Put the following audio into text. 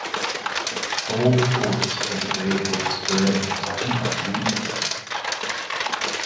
Bold Forbes was a bay horse bred in Kentucky by Lee Eaton.